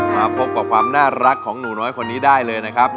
มาพบกับความน่ารักของหนูน้อยคนนี้ได้เลยนะครับ